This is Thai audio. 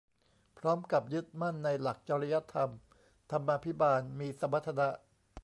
พร้อมกับยึดมั่นในหลักจริยธรรม ธรรมาภิบาล มีสมรรถนะ